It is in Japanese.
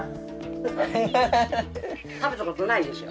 食べたことないでしょ？